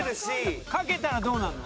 かけたらどうなるの？